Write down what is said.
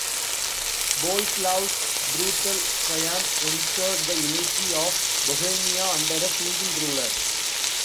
Boleslaus's brutal triumph ensured the unity of Bohemia under a single ruler.